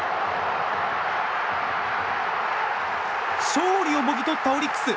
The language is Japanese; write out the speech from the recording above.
勝利をもぎ取ったオリックス。